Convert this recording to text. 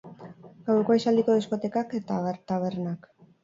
Gaueko aisialdiko diskotekak eta tabernak.